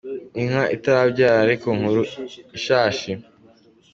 Inka itarabyara ariko nkuru : Ishashi.